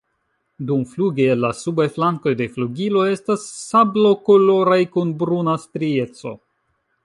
Dumfluge la subaj flankoj de flugiloj estas sablokoloraj kun bruna strieco.